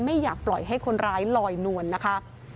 ไม่อยากปล่อยให้คนร้ายลอยนวลนะคะ